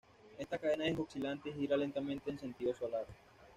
Esta cadena es oscilante y gira lentamente en sentido solar.